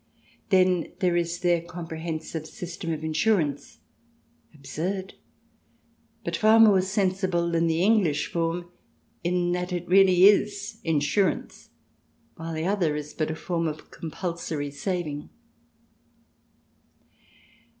Then there is their comprehensive system of insurance — absurd, but far more sensible than the English form in that it really is insurance, while the other is but a form of compulsory saving.